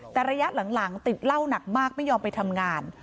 แต่ระยะหลังติดเหล้าหนักมากไม่ยอมไปทำงาน